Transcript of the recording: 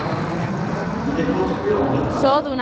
Il est construit en deux phases.